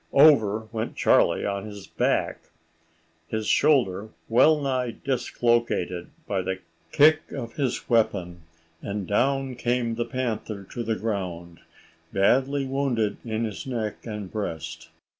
Over went Charlie on his back, his shoulder well nigh dislocated by the kick of his weapon; and down came the panther to the ground, badly wounded in his neck and breast.